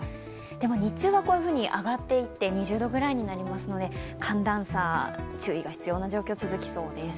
でも日中は上がっていって２０度くらいになりますので寒暖差、注意が必要な状況が続きそうです。